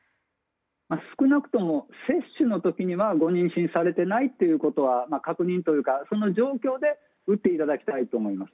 少なくとも接種の時はご妊娠されていないということは確認というかその状況で打っていただきたいと思います。